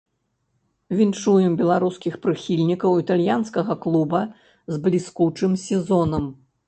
Віншуем беларускіх прыхільнікаў італьянскага клуба з бліскучым сезонам.